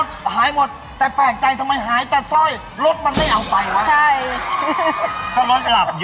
เบิ๊บรอในรถซ่อยหาย